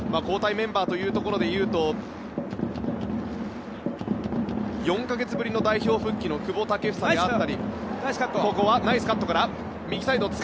交代メンバーというところでいうと４か月ぶりの代表復帰の久保建英もいます。